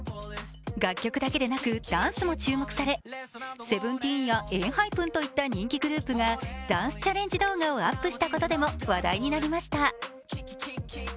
楽曲だけでなく、ダンスも注目されＳＥＶＥＮＴＥＥＮやＥＮＨＹＰＥＮといった人気グループがダンスチャレンジ動画をアップしたことでも話題になりました。